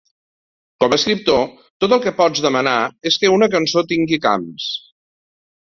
Com escriptor, tot el que pots demanar és que una cançó tingui cames.